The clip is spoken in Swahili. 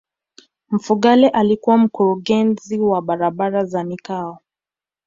mfugale alikuwa mkurugenzi wa barabara za mikoa